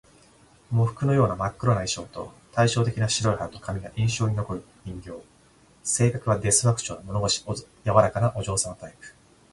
喪服のような真っ黒な衣装と、対照的な白い肌と髪が印象に残る人形。性格は「ですわ」口調の物腰柔らかなお嬢様タイプ